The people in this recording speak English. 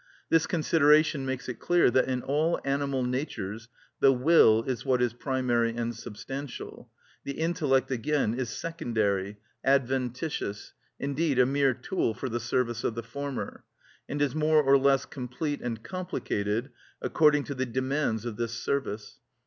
This consideration makes it clear that in all animal natures the will is what is primary and substantial, the intellect again is secondary, adventitious, indeed a mere tool for the service of the former, and is more or less complete and complicated, according to the demands of this service.